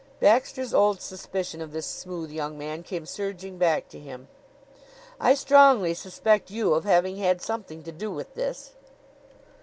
Baxter's old suspicion of this smooth young man came surging back to him. "I strongly suspect you of having had something to do with this."